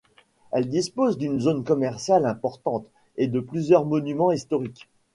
Elle dispose d'une zone commerciale importante et de plusieurs monuments historiques.